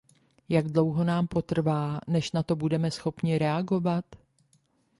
Jak dlouho nám potrvá, než na to budeme schopni reagovat?